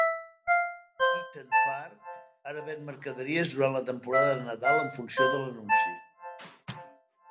Eat'n Park ara ven mercaderies durant la temporada de Nadal en funció de l'anunci.